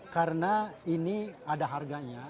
karena ini ada harganya